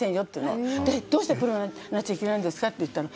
「どうしてプロになっちゃいけないんですか」って言ったの。